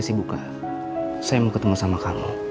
sebentar ya pak